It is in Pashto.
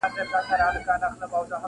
دا قیامت چي هر چا ولېدی حیران سو-